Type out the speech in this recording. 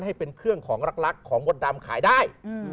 ให้เป็นเครื่องของรักของมดดำขายได้